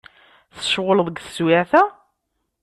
Tceɣleḍ deg teswiεt-a?